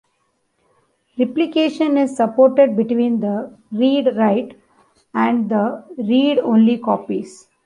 Replication is supported between the read-write and the read-only copies.